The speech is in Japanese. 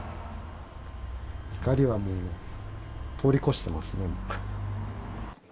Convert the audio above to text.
怒りはもう通り越してますね。